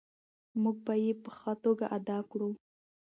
موږ به یې په ښه توګه ادا کړو.